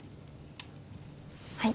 はい。